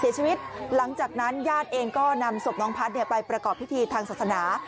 เสียชีวิตหลังจากนั้นย่านเองก็นำสมน้องพัดไปประกอบพิธีทางศาสนา